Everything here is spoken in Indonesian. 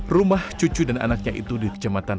rumah cucu dan anaknya itu di kecematan